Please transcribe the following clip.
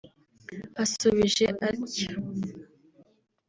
Asubije atya